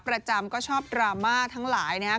ประจำก็ชอบดราม่าทั้งหลายนะครับ